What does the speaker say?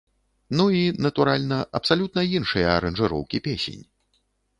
Ну і, натуральна, абсалютна іншыя аранжыроўкі песень.